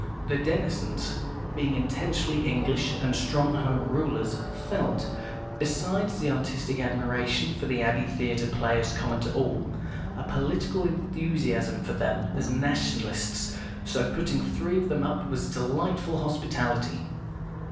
The Denisons, being intensely English and strong Home Rulers, felt, besides the artistic admiration for the Abbey Theatre players common to all, a political enthusiasm for them as Nationalists, so putting three of them up was a delightful hospitality.